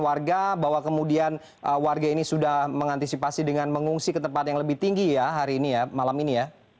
warga bahwa kemudian warga ini sudah mengantisipasi dengan mengungsi ke tempat yang lebih tinggi ya hari ini ya malam ini ya